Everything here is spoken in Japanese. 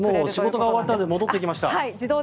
仕事が終わったので戻っていきました。